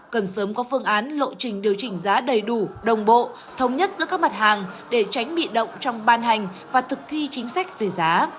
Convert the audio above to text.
cần sớm có phương án lộ trình điều chỉnh giá đầy đủ đồng bộ thống nhất giữa các mặt hàng để tránh bị động trong ban hành và thực thi chính sách về giá